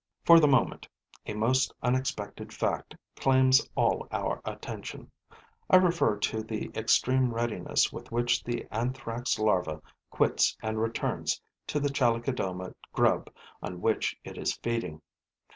For the moment, a most unexpected fact claims all our attention. I refer to the extreme readiness with which the Anthrax' larva quits and returns to the Chalicodoma grub on which it is feeding.